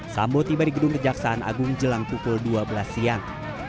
sambo tiba di gedung kejaksaan agung jelang pukul dua belas siang